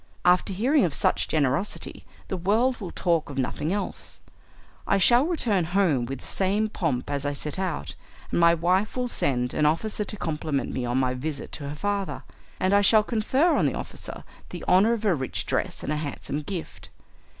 After hearing of such generosity the world will talk of nothing else. I shall return home with the same pomp as I set out, and my wife will send an officer to compliment me on my visit to her father, and I shall confer on the officer the honour of a rich dress and a handsome gift.